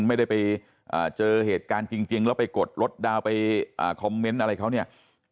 ไม่ได้ไปเจอเหตุการณ์จริงแล้วไปกดลดดาวน์ไปคอมเมนต์อะไรเขาเนี่ย